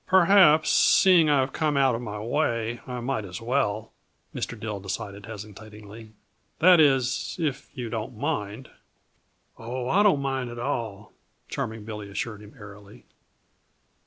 "Perhaps, seeing I've come out of my way, I might as well," Mr. Dill decided hesitatingly. "That is, if you don't mind." "Oh, I don't mind at all," Charming Billy assured him airily.